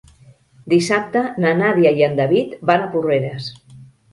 Dissabte na Nàdia i en David van a Porreres.